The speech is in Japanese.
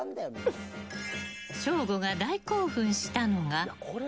省吾が大興奮したのが。